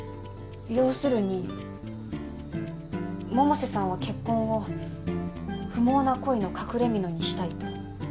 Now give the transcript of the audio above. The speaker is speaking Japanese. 要するに百瀬さんは結婚を不毛な恋の隠れみのにしたいと？